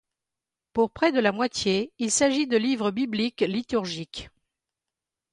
Pour près de la moitié, il s'agit de livres bibliques liturgiques.